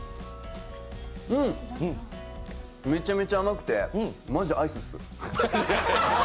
うん、めっちゃめちゃ甘くてマジでアイスっす。